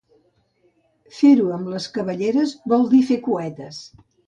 Fer-ho amb les cabelleres vol dir fer cuetes.